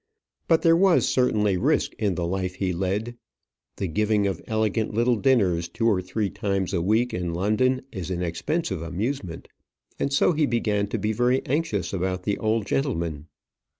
But there was certainly risk in the life he led. The giving of elegant little dinners two or three times a week in London is an expensive amusement and so he began to be very anxious about the old gentleman.